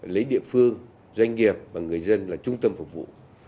lấy địa phương doanh nghiệp và người dân là trung tâm phục vụ